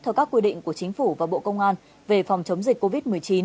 theo các quy định của chính phủ và bộ công an về phòng chống dịch covid một mươi chín